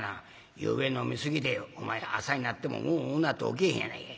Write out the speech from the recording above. ゆうべ飲みすぎてお前な朝になってもうんうんうなって起きへんやないかい。